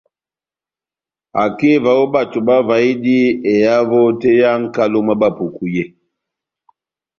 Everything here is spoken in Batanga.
Akeva ó bato bavahidi ehavo tɛ́h yá nʼkalo mwá Bapuku yé.